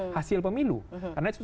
hasil pemilu karena itu